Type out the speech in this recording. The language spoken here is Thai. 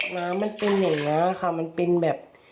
น้ำมันเป็นอย่างนี้ค่ะมันเป็นแบบ